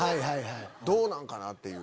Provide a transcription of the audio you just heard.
どうなんかな？っていう。